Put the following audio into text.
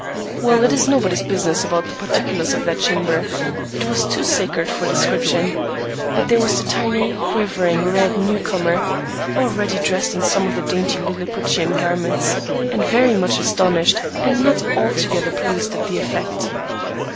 Well, it is nobody's business about the particulars of that chamber. It was too sacred for description; but there was the tiny, quivering, red new comer, already dressed in some of the dainty liliputian garments, and very much astonished and not altogether pleased at the effect.